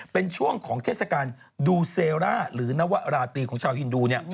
เป็นช่วงของเทศกาลดูเซร่าหรือนวราตรีของชาวฮินดู